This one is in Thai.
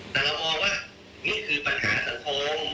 แต่เรามองว่านี่คือปัญหาสังคม